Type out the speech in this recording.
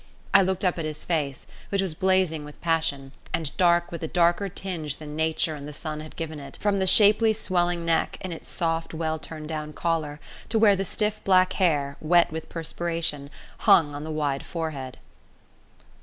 I looked up at his face, which was blazing with passion, and dark with a darker tinge than Nature and the sun had given it, from the shapely swelling neck, in its soft well turned down collar, to where the stiff black hair, wet with perspiration, hung on the wide forehead.